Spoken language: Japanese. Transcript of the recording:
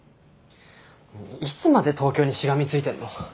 いつまで東京にしがみついてんの。